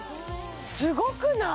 すごくない？